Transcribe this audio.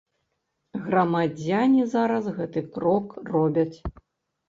Грамадзяне зараз гэты крок робяць.